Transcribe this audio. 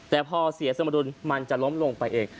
แต่พอเสียสมดุลมันจะล้มลงไปเอง